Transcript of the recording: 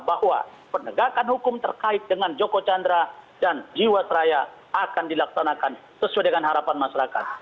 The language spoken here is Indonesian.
bahwa penegakan hukum terkait dengan joko chandra dan jiwasraya akan dilaksanakan sesuai dengan harapan masyarakat